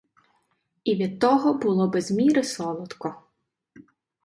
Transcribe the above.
І від того було без міри солодко.